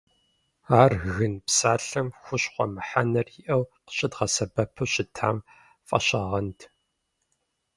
Ар «гын» псалъэм «хущхъуэ» мыхьэнэр иӏэу къыщыдгъэсэбэпу щытам фӏащагъэнт.